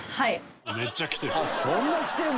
めっちゃ来てる。